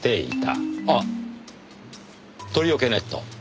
あっ鳥よけネット。